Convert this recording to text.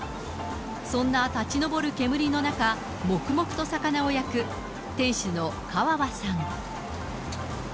そんな立ち上る煙の中、もくもくと魚を焼く店主の川和さん。